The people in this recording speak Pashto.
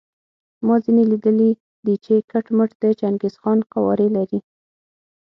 ما ځینې لیدلي دي چې کټ مټ د چنګیز خان قوارې لري.